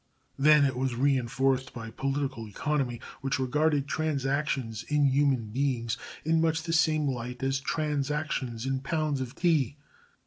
Then it was reinforced by political economy which regarded transactions in human beings in much the same light as transactions in pounds of tea.